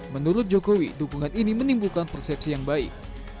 menurut jokowi dukungan ini menimbulkan persepsi yang baik